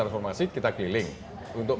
transformasi kita keliling untuk